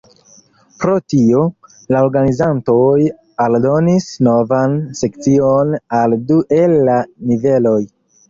Pro tio, la organizantoj aldonis novan sekcion al du el la niveloj.